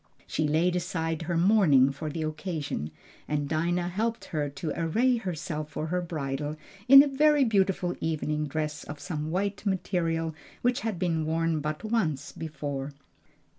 She laid aside her mourning for the occasion, and Dinah helped her to array herself for her bridal in a very beautiful evening dress of some white material which had been worn but once before.